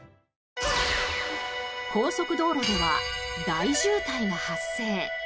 高速道路では大渋滞が発生。